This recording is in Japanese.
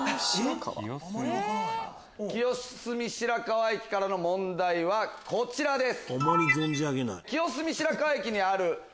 清澄白河駅からの問題はこちらです！